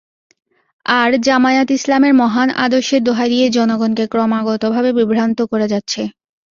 আর জামায়াত ইসলামের মহান আদর্শের দোহাই দিয়ে জনগণকে ক্রমাগতভাবে বিভ্রান্ত করে যাচ্ছে।